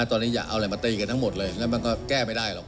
ตอนนี้อย่าเอาอะไรมาตีกันทั้งหมดเลยแล้วมันก็แก้ไม่ได้หรอก